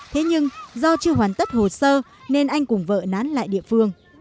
thế nhưng do chưa hoàn tất hồ sơ nên anh cùng vợ nán lại địa phương